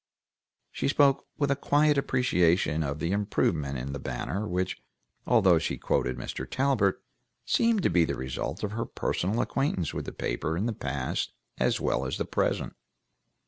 She spoke with a quiet appreciation of the improvement in the Banner, which, although she quoted Mr. Talbert, seemed to be the result of her personal acquaintance with the paper in the past as well as the present.